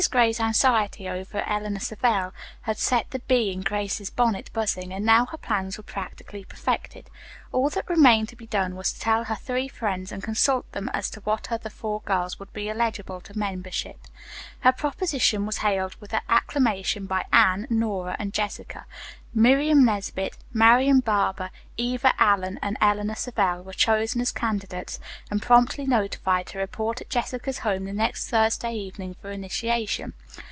Gray's anxiety over Eleanor Savell had set the bee in Grace's bonnet buzzing, and now her plans were practically perfected. All that remained to be done was to tell her three friends, and consult them as to what other four girls would be eligible to membership. Her proposition was hailed with acclamation by Anne, Nora and Jessica. Miriam Nesbit, Marian Barber, Eva Allen and Eleanor Savell were chosen as candidates and promptly notified to report at Jessica's home the next Thursday evening for initiation.